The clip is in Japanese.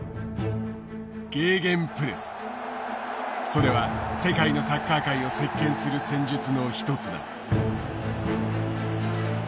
それは世界のサッカー界を席けんする戦術の一つだ。